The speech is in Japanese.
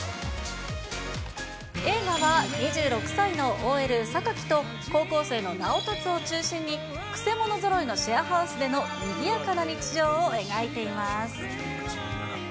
映画は、２６歳のＯＬ、榊と、高校生の直達を中心に、くせ者ぞろいのシェアハウスでのにぎやかな日常を描いています。